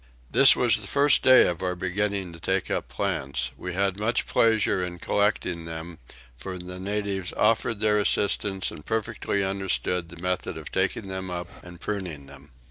This was the first day of our beginning to take up plants: we had much pleasure in collecting them for the natives offered their assistance and perfectly understood the method of taking them up and pruning them.